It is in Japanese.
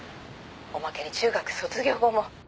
おまけに中学卒業後も。